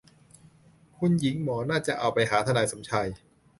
คุณหญิงหมอน่าจะเอาไปหาทนายสมชาย